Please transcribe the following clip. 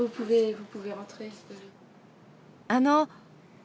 あの。